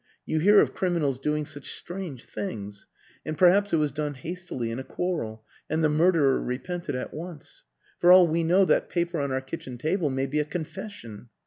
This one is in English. " You hear of criminals doing such strange things and perhaps it was done hastily, in a quarrel, and the murderer repented at once. ... For all we know, that paper on our kitchen table may be a confession.